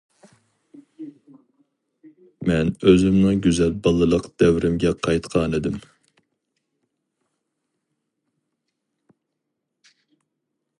مەن ئۆزۈمنىڭ گۈزەل بالىلىق دەۋرىمگە قايتقانىدىم.